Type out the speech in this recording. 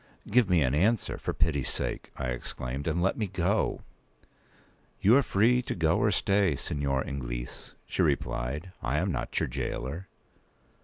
"Give me my answer, for pity's sake," I exclaimed, "and let me go!" "You are free to go or stay, Signor Inglese," she replied. "I am not your jailor."